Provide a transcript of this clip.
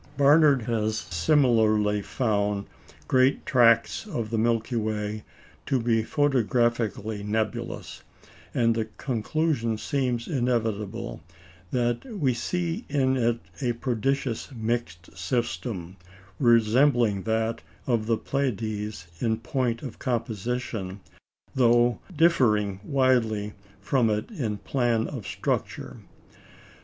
Barnard has similarly found great tracts of the Milky Way to be photographically nebulous, and the conclusion seems inevitable that we see in it a prodigious mixed system, resembling that of the Pleiades in point of composition, though differing widely from it in plan of structure.